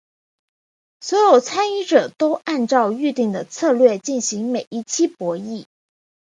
所有参与者都按照预定的策略进行每一期博弈。